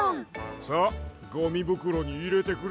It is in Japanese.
さあゴミぶくろにいれてくれ。